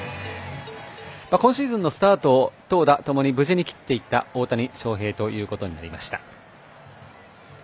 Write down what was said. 今シーズンのスタート投打ともに無事に切っていった大谷翔平となりました。